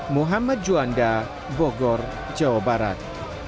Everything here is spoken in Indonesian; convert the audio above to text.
muhammad juanda bogor jawa barat